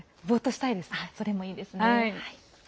それもいいですね。